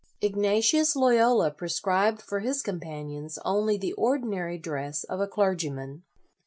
Ignatius Loyola prescribed for his companions only the ordinary dress of a clergyman.